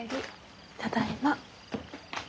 ただいま。